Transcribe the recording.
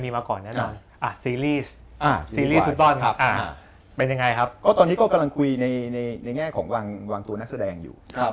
วคตอนนี้ก็กำลังคุยในแง่ของวางตัวนักแสดงอยู่